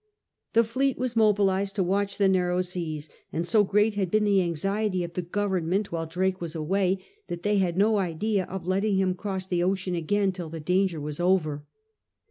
The fleet was mobilised to watch the narrow seas, and so great had been the anxiety of the Government while Drake was away that they had no idea of letting him cross the ocean again till the danger was over.